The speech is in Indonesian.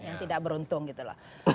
yang tidak beruntung gitu loh